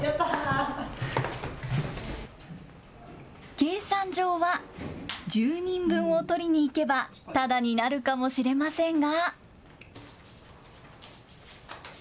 計算上は１０人分を取りに行けばただになるかもしれませんが。